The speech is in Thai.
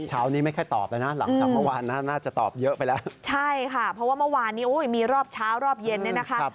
ใช่ค่ะเพราะว่าเมื่อวานนี้มีรอบเช้ารอบเย็นนี่นะค่ะ